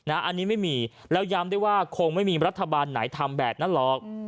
อันนี้ไม่มีแล้วย้ำได้ว่าคงไม่มีรัฐบาลไหนทำแบบนั้นหรอก